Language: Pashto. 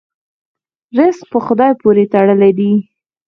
رزق په خدای پورې تړلی دی.